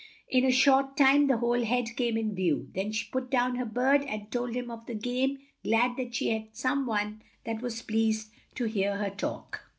In a short time the whole head came in view, then she put down her bird and told him of the game; glad that she had some one that was pleased to hear her talk.